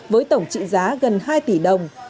với tổng trị giá gần hai tỷ đồng